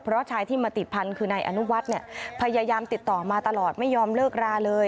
เพราะชายที่มาติดพันธุ์คือนายอนุวัฒน์เนี่ยพยายามติดต่อมาตลอดไม่ยอมเลิกราเลย